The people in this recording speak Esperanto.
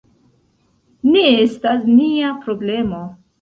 Ne estas nia problemo.